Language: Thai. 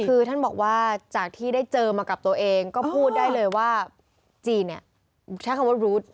คือท่านบอกว่าจากที่ได้เจอมากับตัวเองก็พูดได้เลยว่าจีนเนี่ยใช้คำว่าบรูด